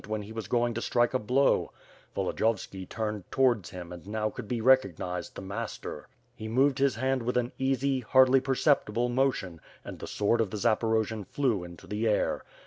383 when he was going to strike a blow. Volodiyovski turned towards him and now could be recognized the master. He moved his hand with an easy, hardly perceptible motion and the sword of the Zaporojian flew into the air.